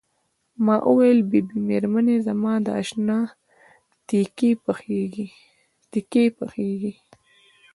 ما وویل بي بي مېرمنې زما د اشنا تیکې پخیږي.